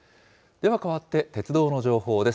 ではかわって鉄道の情報です。